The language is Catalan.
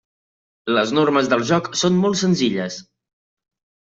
Les normes del joc són molt senzilles.